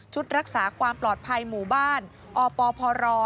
รักษาความปลอดภัยหมู่บ้านอปพร